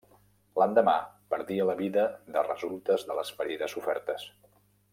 L'endemà perdia la vida de resultes de les ferides sofertes.